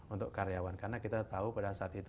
untuk karyawan karena kita tahu pada saat itu